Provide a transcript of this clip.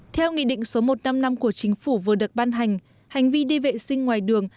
theo nghị định số một trăm năm mươi năm của chính phủ vừa được ban hành hành vi đi vệ sinh ngoài đường